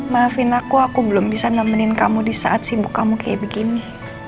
maafin aku aku belum bisa nemenin kamu di saat sibuk kamu kayak begini